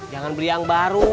jangan beli yang baru